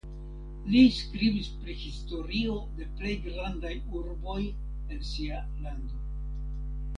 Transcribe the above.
Li skribis pri historio de plej grandaj urboj en sia lando.